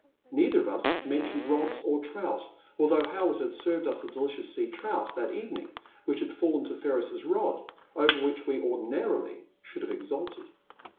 Neither of us mentioned rods or trout, although Howlett had served us a delicioits sea trout that evening which had fallen to Ferris's rod, over which we ordinarily should have exulted.